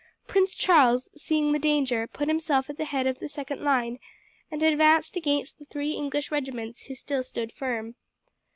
Prince Charles, seeing the danger, put himself at the head of the second line and advanced against the three English regiments who still stood firm.